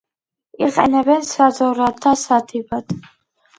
იყენებენ საძოვრად და სათიბად.